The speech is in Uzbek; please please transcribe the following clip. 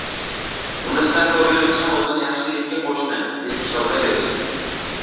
Uni sinab ko‘rgan inson o‘zini yaxshilikka qo‘shni, deb hisoblayversin.